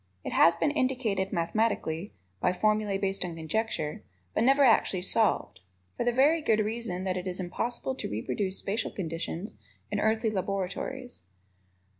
It has been indicated mathematically (by formulae based on conjecture), but never actually solved for the very good reason that it is impossible to reproduce spacial conditions in earthly laboratories.